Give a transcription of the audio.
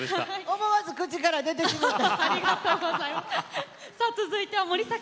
思わず口から出てしまいました。